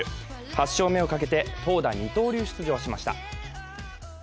８勝目をかけて、投打二刀流出場しました。